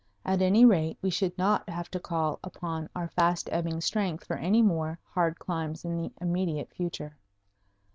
At any rate, we should not have to call upon our fast ebbing strength for any more hard climbs in the immediate future.